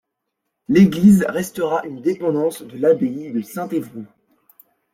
L'église restera une dépendance de l’abbaye de Saint-Évroult.